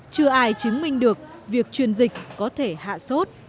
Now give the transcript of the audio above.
chưa ai chứng minh được việc truyền dịch có thể hạ sốt